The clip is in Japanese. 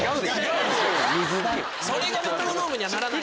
それがメトロノームにはならない。